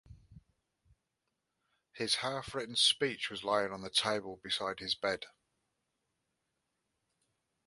His half-written speech was lying on the table beside his bed.